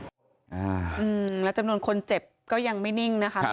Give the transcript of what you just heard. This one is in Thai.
อืมแล้วจำนวนคนเจ็บก็ยังไม่นิ่งนะคะ